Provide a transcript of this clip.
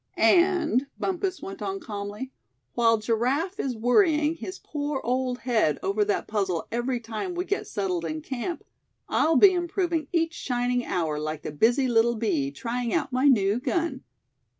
"And," Bumpus went on, calmly; "while Giraffe is worrying his poor old head over that puzzle every time we get settled in camp, I'll be improving each shining hour like the busy little bee, trying out my new gun.